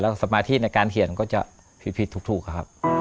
สมาธิในการเขียนก็จะผิดถูกครับ